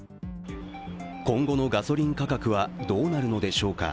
今後のガソリン価格はどうなるのでしょうか。